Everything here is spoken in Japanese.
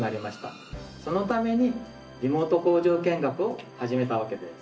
そのためにリモート工場見学を始めたわけです。